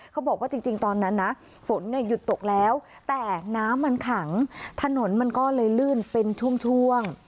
เขาบอกว่าจริงตอนนั้นนะฝนเนี่ยหยุดตกแล้วแต่น้ำมันขังถนนมันก็เลยลื่นเป็นช่วง